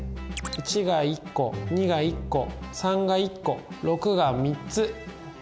１が１個２が１個３が１個６が３つ！